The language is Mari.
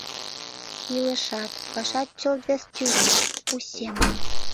Илышат, пашат чылт вес тӱрлӧ, у семын.